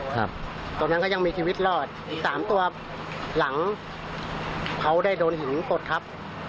ตอนนั้นก็ยังมีชีวิตรอดอีกสามตัวหลังเขาได้โดนหินกดทับ